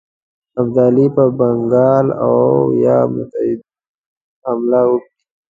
ابدالي پر بنګال او یا متحدینو حمله وکړي.